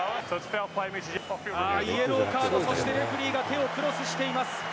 イエローカード、そしてレフェリーが手をクロスしています。